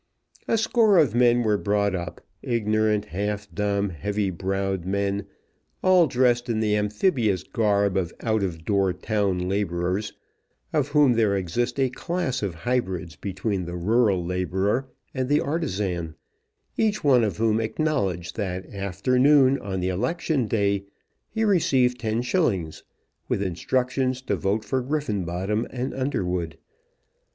A score of men were brought up, ignorant, half dumb, heavy browed men, all dressed in the amphibious garb of out o' door town labourers, of whom there exists a class of hybrids between the rural labourer and the artizan, each one of whom acknowledged that after noon on the election day he received ten shillings, with instructions to vote for Griffenbottom and Underwood.